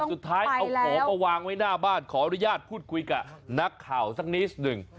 สุดท้ายเอาของมาวางไว้หน้าบ้านขออนุญาตพูดคุยกับนักข่าวสักนิดหนึ่ง